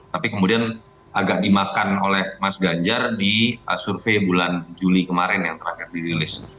tapi kemudian agak dimakan oleh mas ganjar di survei bulan juli kemarin yang terakhir dirilis